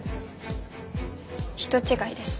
人違いです。